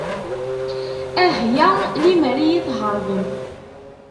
Ah ya limer iyi-theṛṛbem.